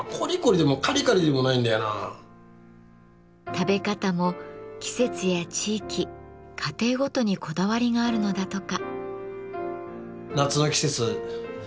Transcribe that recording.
食べ方も季節や地域家庭ごとにこだわりがあるのだとか。